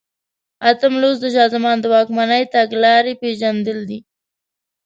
اتم لوست د شاه زمان د واکمنۍ تګلارې پېژندل دي.